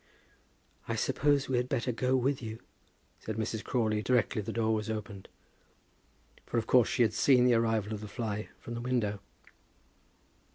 "I suppose we had better go with you," said Mrs. Crawley directly the door was opened; for of course she had seen the arrival of the fly from the window.